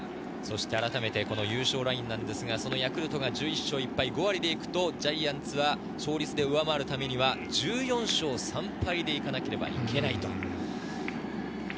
改めて優勝ライン、ヤクルトが１１勝１１敗５割で行くと、ジャイアンツは勝率で上回るためには１４勝３敗でいかなければいけない。